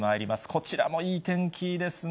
こちらもいい天気ですね。